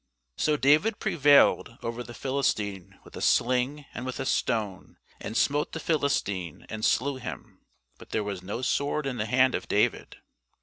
So David prevailed over the Philistine with a sling and with a stone, and smote the Philistine, and slew him; but there was no sword in the hand of David.